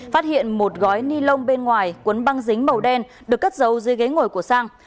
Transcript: phát hiện một gói ni lông bên ngoài cuốn băng dính màu đen được cất giấu dưới ghế ngồi của sang